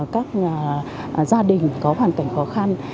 các gia đình có hoàn cảnh khó khăn